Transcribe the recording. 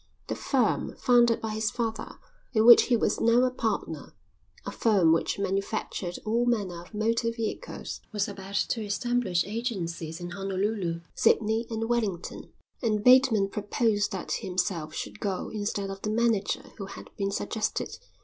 The firm, founded by his father, in which he was now a partner, a firm which manufactured all manner of motor vehicles, was about to establish agencies in Honolulu, Sidney, and Wellington; and Bateman proposed that himself should go instead of the manager who had been suggested.